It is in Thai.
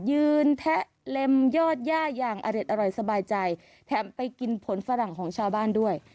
แทะเล็มยอดย่าอย่างอเด็ดอร่อยสบายใจแถมไปกินผลฝรั่งของชาวบ้านด้วย